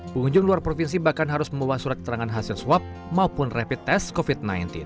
pengunjung luar provinsi bahkan harus membawa surat keterangan hasil swab maupun rapid test covid sembilan belas